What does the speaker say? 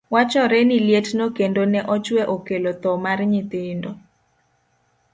Wachore ni lietno kendo ne ochwe okelo thoo mar nyithindo .